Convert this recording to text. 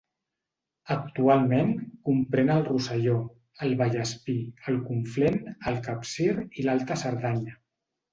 Actualment, comprèn el Rosselló, el Vallespir, el Conflent, el Capcir i l'Alta Cerdanya.